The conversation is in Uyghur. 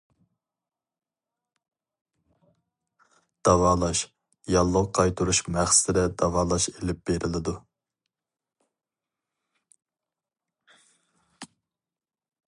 داۋالاش : ياللۇغ قايتۇرۇش مەقسىتىدە داۋالاش ئېلىپ بېرىلىدۇ.